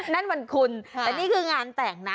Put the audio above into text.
นั่นวันคุณแต่นี่คืองานแต่งนะ